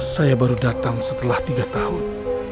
saya baru datang setelah tiga tahun